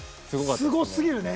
すごすぎるね！